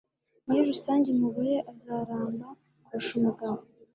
Muri rusange, umugore azaramba kurusha umugabo.